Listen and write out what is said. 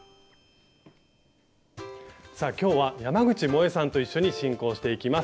さあ今日は山口もえさんと一緒に進行していきます。